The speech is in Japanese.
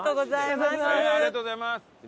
ありがとうございます。